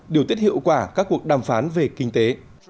điều tiết hiệu quả các cuộc đàm phán về kinh tế